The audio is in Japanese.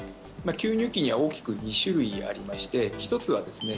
吸入器には大きく２種類ありまして一つはですね